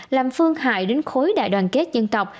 làm phương hại đến khối đại đoàn kết dân tộc